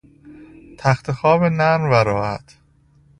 تختخواب نرم و راحت